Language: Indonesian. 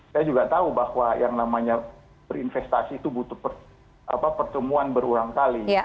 saya juga tahu bahwa yang namanya berinvestasi itu butuh pertemuan berulang kali